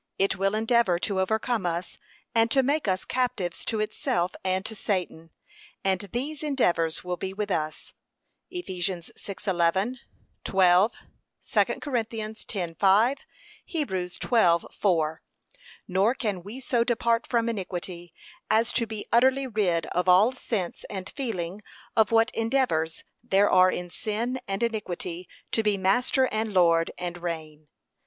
It will endeavour to overcome us, and to make us captives to itself and to Satan; and these endeavours will be with us. (Eph. 6:11, 12; 2 Cor. 10:5; Heb. 12:4) Nor can we so depart from iniquity, as to be utterly rid of all sense and feeling of what endeavours there are in sin and iniquity to be master and lord, and reign.